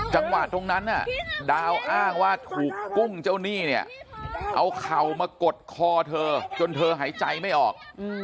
จังหวะตรงนั้นดาวอ้างว่าถูกกุ้งเจ้าหนี้เนี่ยเอาเข่ามากดคอเธอจนเธอหายใจไม่ออก